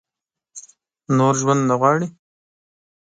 نور ژوند نه غواړي ؟